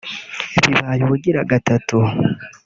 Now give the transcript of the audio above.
Bibaye ubugira gatatu